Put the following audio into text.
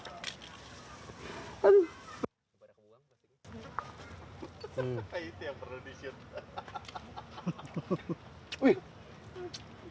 kayak itu yang produsen